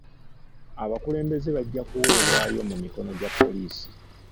Abakulembeze bajja kuweebwayo mu mikono gya poliisi.